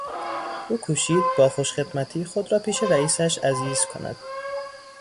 او کوشید با خوش خدمتی خود را پیش رئیسش عزیز کند.